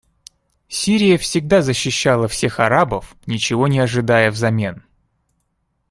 Сирия всегда защищала всех арабов, ничего не ожидая взамен.